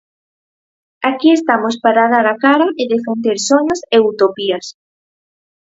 Aquí estamos para dar a cara e defender soños e utopías!